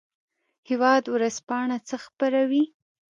هیواد ورځپاڼه څه خپروي؟